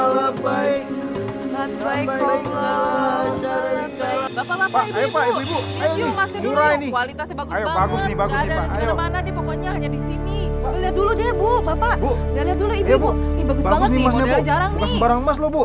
bagus banget nih modelnya jarang nih